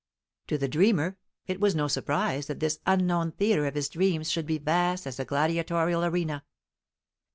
To the dreamer it was no surprise that this unknown theatre of his dreams should be vast as the gladiatorial arena.